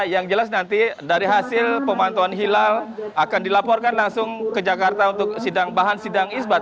yang jelas nanti dari hasil pemantauan hilal akan dilaporkan langsung ke jakarta untuk sidang bahan sidang isbat